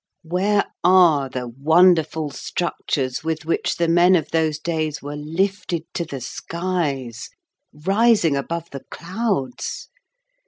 Where are the wonderful structures with which the men of those days were lifted to the skies, rising above the clouds?